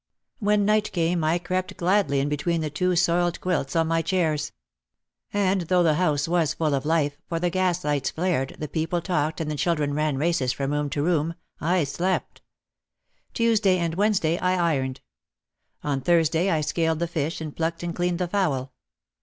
When night came I crept gladly in between the two soiled quilts on my chairs. And though the house was full of life, for the gas lights flared, the people talked and the children ran races from room to room, I slept. Tuesday and Wednesday I ironed. On Thursday I scaled the fish and plucked and cleaned the fowl.